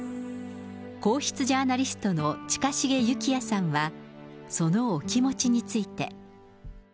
皇室ジャーナリストの近重幸哉さんは、そのお気持ちについて。